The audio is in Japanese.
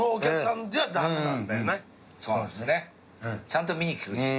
ちゃんと見に来る人。